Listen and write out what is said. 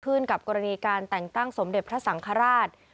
กับกรณีการแต่งตั้งสมเด็จพระสังฆราช